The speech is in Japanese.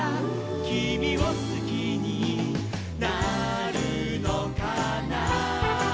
「きみをすきになるのかな」